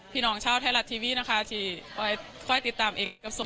พี่น้องเช่าท้ายรัฐทีวีนะคะที่ช่อยติดตามเอกต์กับส่วน